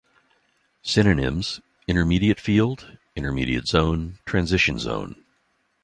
"Synonyms": intermediate field, intermediate zone, transition zone.